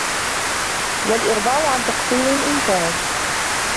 وَالْإِغْضَاءُ عَنْ تَقْصِيرٍ إنْ كَانَ